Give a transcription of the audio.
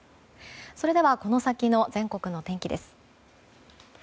それではこの先の全国の天気です。